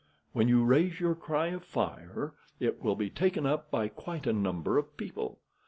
When you raise your cry of fire, it will be taken up by quite a number of people.